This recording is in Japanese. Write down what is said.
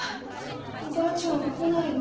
おばあちゃんは来ないの？